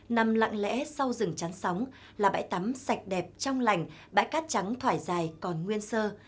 nằm lặng lẽ sau rừng trắng sóng là bãi tắm sạch đẹp trong lành bãi cát trắng thoải dài còn nguyên sơ